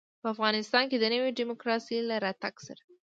په افغانستان کې د نوي ډيموکراسۍ له راتګ سره.